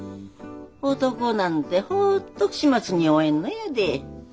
男なんてほっと始末に負えんのやで。